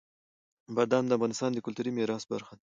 بادام د افغانستان د کلتوري میراث برخه ده.